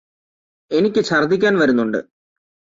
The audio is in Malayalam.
എനിക്ക് ഛര്ദ്ദിക്കാൻ വരുന്നുണ്ട്